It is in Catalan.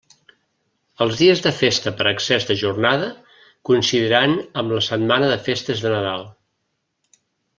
Els dies de festa per excés de jornada coincidiran amb la setmana de festes de Nadal.